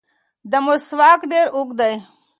دا مسواک ډېر اوږد دی.